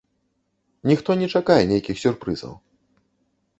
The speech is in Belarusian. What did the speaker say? Ніхто не чакае нейкіх сюрпрызаў.